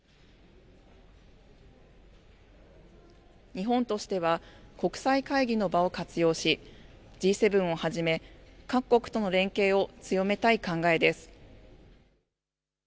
日本としては国際会議の場を活用しＧ７をはじめ各国との連携を強めたい考えです。